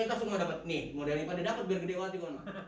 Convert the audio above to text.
kita langsung mau dapet nih mau dari mana dapet biar gede waktu